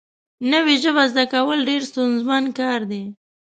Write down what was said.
نوې ژبه زده کول ډېر ستونزمن کار دی